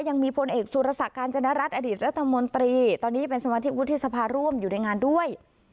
ยังมีพลเอกสุรสักการจนรัฐอดีตรัฐมนตรีตอนนี้เป็นสมาชิกวุฒิสภาร่วมอยู่ในงานด้วย